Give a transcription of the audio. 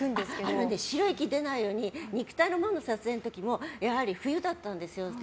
あのね、白い息が出ないように「肉体の門」の撮影の時もやはり冬だったんです。